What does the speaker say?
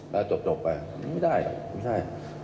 และจบไปไม่ได้หรอก